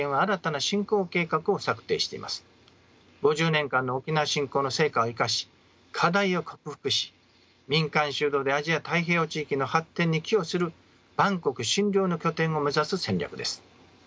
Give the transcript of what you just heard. ５０年間の沖縄振興の成果を活かし課題を克服し民間主導でアジア太平洋地域の発展に寄与する万国津梁の拠点を目指す戦略です。